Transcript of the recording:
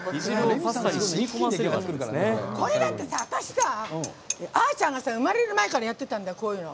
これだってさ、私がさあーちゃんが生まれる前からやってたんだよ、こういうの。